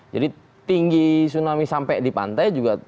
jadi tinggi tsunami sampai di pantai